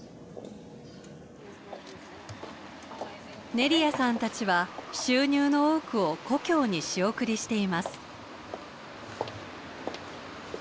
ネリアさんたちは収入の多くを故郷に仕送りしています。